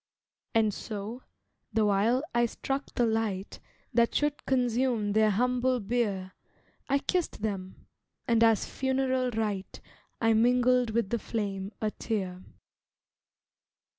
And so, the while I struck the light That should consume their humble bier I kissed them, and as funeral rite I mingled with the flame a tear.